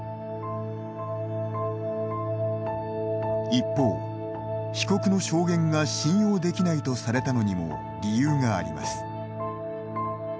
一方、被告の証言が信用できないとされたのにも理由があります。